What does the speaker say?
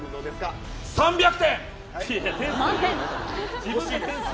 ３００点。